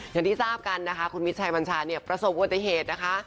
อย่างที่ทราบกันคุณมิตรชัยบัญชานเนี่ยประสบวัติเหตุ